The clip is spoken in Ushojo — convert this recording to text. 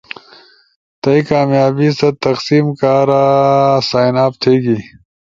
تھئی کامیابی ست تقسیم کارا سائن اپ تھیگی